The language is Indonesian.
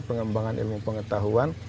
pengembangan ilmu pengetahuan